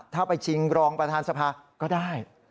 ถ้าไปชิงรองประธานสภาก็ได้